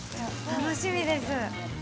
楽しみです。